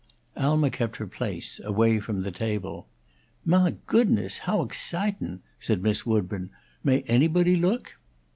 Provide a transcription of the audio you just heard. Alma kept her place, away from the table. "Mah goodness! Ho' exciting!" said Miss Woodburn. "May anybody look?"